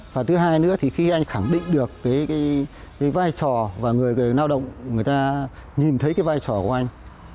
và thứ hai nữa thì khi anh khẳng định được cái vai trò và người lao động người ta nhìn thấy cái vai trò của anh